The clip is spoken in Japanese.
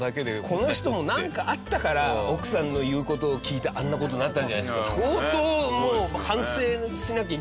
この人もなんかあったから奥さんの言う事を聞いてあんな事なったんじゃないですか？